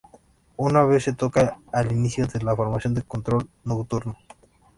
A su vez se toca al inicio de la formación de control nocturno.